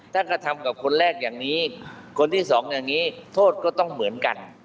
ถ้ากระทำกับคนแรกอย่างนี้คนที่สองอย่างนี้โทษก็ต้องเหมือนกัน